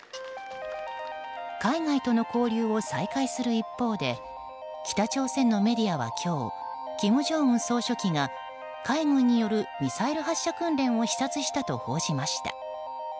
海外との交流を再開する一方で北朝鮮のメディアは今日金正恩総書記が海軍によるミサイル発射訓練を視察したと報じました。